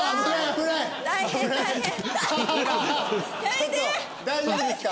ちょっと大丈夫ですか？